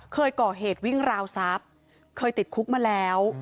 เคยก่อเหตุวิ่งราวทรัพย์เคยติดคุกมาแล้ว